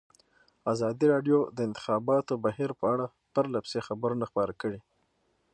ازادي راډیو د د انتخاباتو بهیر په اړه پرله پسې خبرونه خپاره کړي.